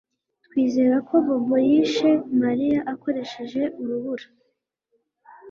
Twizera ko Bobo yishe Mariya akoresheje urubura